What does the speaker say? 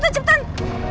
udah cepetan cepetan